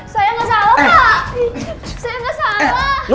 saya gak salah pak saya gak salah